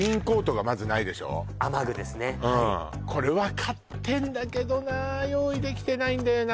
はいこれは買ってんだけどな用意できてないんだよな